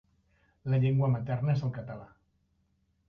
La llengua materna és el català.